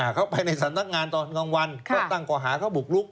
เข้าไปในสำนักงานตอนกลางวันก็ตั้งก่อหาเขาบุกลุก